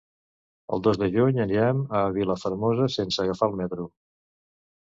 El dos de juny anirem a Vilafermosa sense agafar el metro.